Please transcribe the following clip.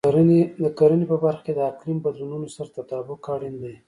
د کرنې په برخه کې د اقلیم بدلونونو سره تطابق اړین دی.